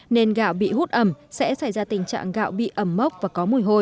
nên gạo bị hút ẩm sẽ xảy ra tình trạng gạo bị ẩm mốc và có mùi hôi